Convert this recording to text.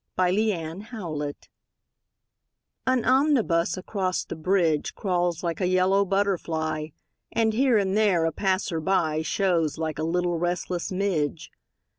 SYMPHONY IN YELLOW AN omnibus across the bridge Crawls like a yellow butterfly And, here and there, a passer by Shows like a little restless midge.